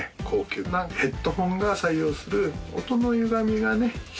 高級なヘッドホンが採用する音のゆがみがね